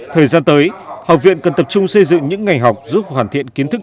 thời gian tới học viện cần tập trung xây dựng những ngành học giúp hoàn thiện kiến thức